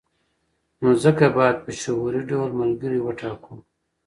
نو ځکه باید په شعوري ډول ملګري وټاکو.